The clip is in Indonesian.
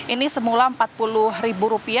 ini semula rp empat puluh